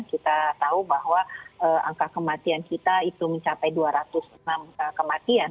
kita tahu bahwa angka kematian kita itu mencapai dua ratus enam kematian